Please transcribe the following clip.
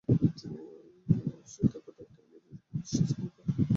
তিনি সৈদাবাদে একটি ইংরাজী শিক্ষা প্রতিষ্ঠান স্থাপন করেন।